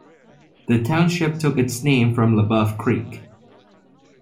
The township took its name from LeBoeuf Creek.